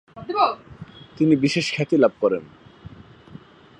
তিনি বিশেষ খ্যাতি লাভ করেন।